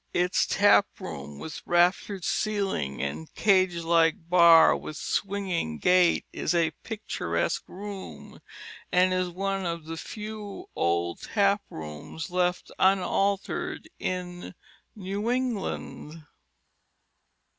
Its tap room with raftered ceiling and cage like bar with swinging gate is a picturesque room, and is one of the few old tap rooms left unaltered in New England.